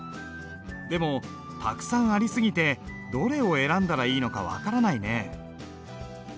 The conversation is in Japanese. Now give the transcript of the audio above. でもたくさんあり過ぎてどれを選んだらいいのか分からないね。